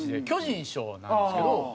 巨人師匠なんですけど。